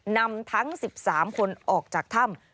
นำทั้ง๑๓คนออกจากถ้ำ